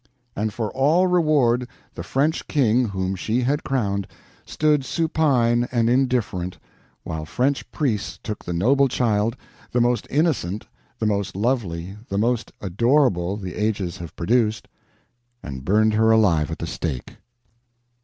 And for all reward, the French King, whom she had crowned, stood supine and indifferent, while French priests took the noble child, the most innocent, the most lovely, the most adorable the ages have produced, and burned her alive at the stake.